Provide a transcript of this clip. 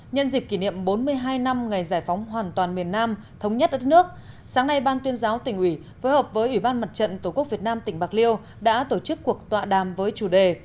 nhân dịp kỷ niệm bốn mươi hai năm ngày giải phóng hoàn toàn miền nam thống nhất đất nước sáng nay ban tuyên giáo tỉnh ủy phối hợp với ủy ban mặt trận tổ quốc việt nam tỉnh bạc liêu đã tổ chức cuộc tọa đàm với chủ đề